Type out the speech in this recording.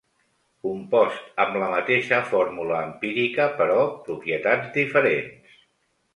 Compost amb la mateixa fórmula empírica però propietats diferents.